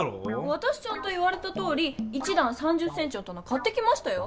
わたしちゃんと言われたとおり１だん３０センチのたな買ってきましたよ。